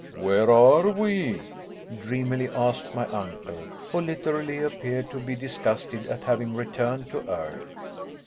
"Where are we?" dreamily asked my uncle, who literally appeared to be disgusted at having returned to earth.